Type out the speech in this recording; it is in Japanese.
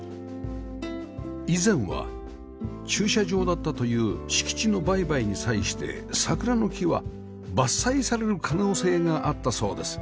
以前は駐車場だったという敷地の売買に際して桜の木は伐採される可能性があったそうです